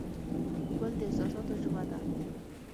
ګل د احساساتو ژبه ده.